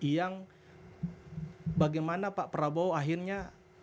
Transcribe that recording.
yang bagaimana pak prabowo akhirnya